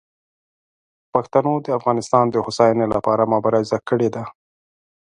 پښتنو د افغانستان د هوساینې لپاره مبارزه کړې ده.